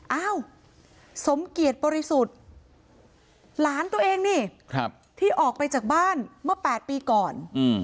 เอ้าสมเกียจบริสุทธิ์หลานตัวเองนี่ที่ออกไปจากบ้านเมื่อ๘ปีก่อน